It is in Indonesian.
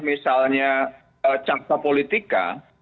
misalnya cakta politika